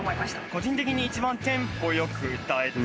個人的に一番テンポ良く歌える。